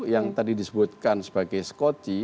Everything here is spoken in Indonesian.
yang tadi disebutkan sebagai skoci